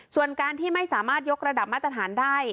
ส่วนการที่ไม่สามารถยกระดับมาตรฐานได้